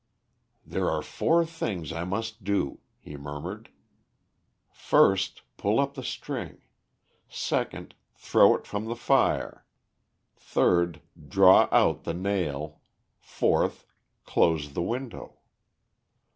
"There are four things I must do," he murmured: "first, pull up the string; second, throw it in the fire; third, draw out the nail; fourth, close the window."